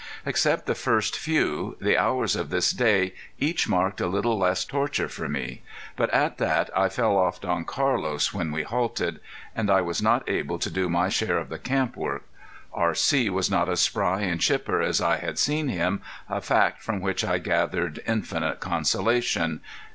Except the first few, the hours of this day each marked a little less torture for me; but at that I fell off Don Carlos when we halted. And I was not able to do my share of the camp work. R.C. was not as spry and chipper as I had seen him, a fact from which I gathered infinite consolation.